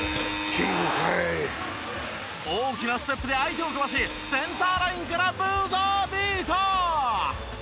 大きなステップで相手をかわしセンターラインからブザービーター！